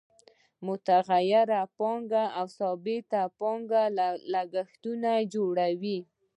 متغیره پانګه او ثابته پانګه لګښتونه جوړوي